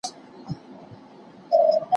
که اوبه سړې وي نو تنده نه پاتیږي.